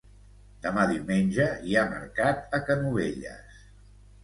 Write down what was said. Demà diumenge hi ha mercat a Canovelles